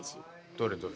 どれどれ？